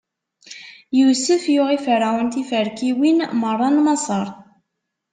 Yusef yuɣ i Ferɛun tiferkiwin meṛṛa n Maṣer.